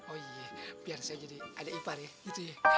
oh iya biar saya jadi adik ipar ya